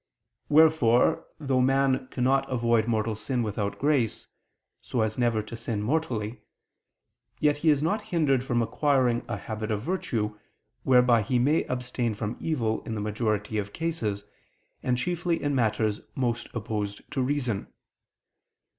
Wherefore, though man cannot avoid mortal sin without grace, so as never to sin mortally, yet he is not hindered from acquiring a habit of virtue, whereby he may abstain from evil in the majority of cases, and chiefly in matters most opposed to reason.